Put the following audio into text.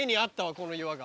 この岩が。